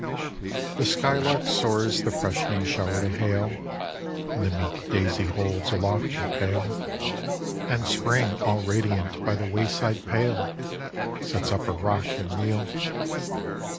The skylark soars the freshening shower to hail. And the meek daisy holds aloft her pail, 39 40 A RAINY DAY IN APRIL And Spring all radiant by the wayside pale, Sets up her rock and reel.